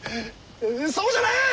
そうじゃねえ！